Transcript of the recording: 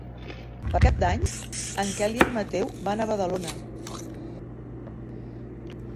Per Cap d'Any en Quel i en Mateu van a Badalona.